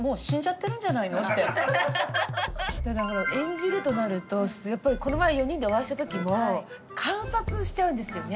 演じるとなるとやっぱりこの前４人でお会いした時も観察しちゃうんですよね。